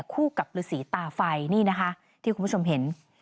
คู่กับฤษีตาไฟนี่นะคะที่คุณผู้ชมเห็น